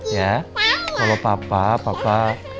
ya kalau papa papa